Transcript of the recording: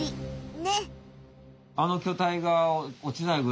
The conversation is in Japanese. ねっ。